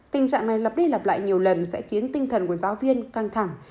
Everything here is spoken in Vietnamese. tình trạng này lập đi lập lại nhiều lần sẽ khiến tinh thần của giáo viên căng thẳng